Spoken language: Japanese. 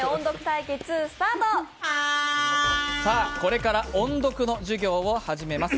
これから音読の授業を始めます。